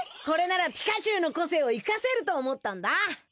これならピカチュウの個性を生かせると思ったんだ。